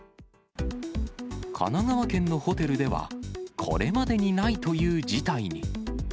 神奈川県のホテルでは、これまでにないという事態に。